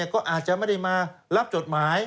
ก็อาจจะไม่ได้มารับจดหมาย